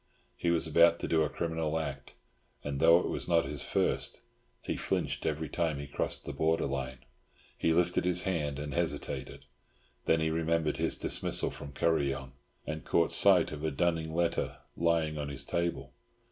He was about to do a criminal act, and though it was not his first, he flinched every time he crossed the border line. He lifted his hand, and hesitated; then he remembered his dismissal from Kuryong, and caught sight of a dunning letter lying on his table.